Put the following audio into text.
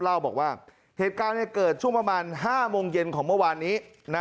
เล่าบอกว่าเหตุการณ์เกิดช่วงประมาณ๕โมงเย็นของเมื่อวานนี้